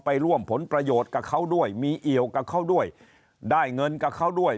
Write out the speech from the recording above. ไปร่วมผลประโยชน์กับเขาด้วยมีเอี่ยวกับเขาด้วยได้เงินกับเขาด้วย